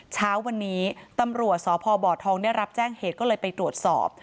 เช้าวันนี้ตำรวจสพบทองได้รับแจ้งเหตุก็เลยไปตรวจสอบ